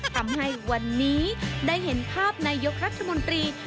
ทำให้วันนี้ได้เห็นภาพนายกรัฐมนตรี